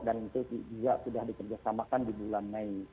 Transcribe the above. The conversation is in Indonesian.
dan itu juga sudah dikerjasamakan di bulan mei